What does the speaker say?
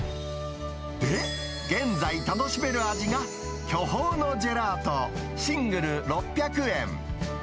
で、現在楽しめる味が、巨峰のジェラート、シングル６００円。